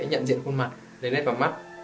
nhận diện khuôn mặt lấy nét vào mắt